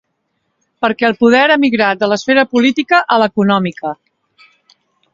Perquè el poder ha migrat de l’esfera política a l’econòmica.